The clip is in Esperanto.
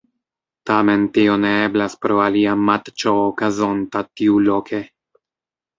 Tamen tio ne eblas pro alia matĉo okazonta tiuloke.